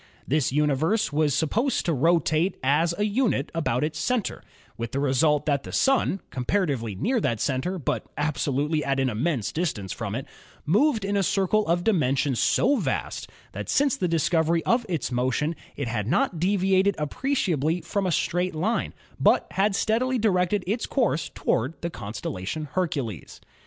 This universe was THE SOLAR SYSTEM 89 supposed to rotate as a unit about its center, with the result that the Sun (comparatively near that center, but absolutely at an immense distance from it) moved in a circle of dimensions so vast that since the discovery of its motion it had not deviated appreciably from a straight line, but had steadily directed its course toward the constella tion Hercules.